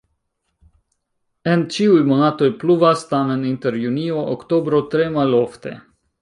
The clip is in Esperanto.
En ĉiuj monatoj pluvas, tamen inter junio-oktobro tre malofte.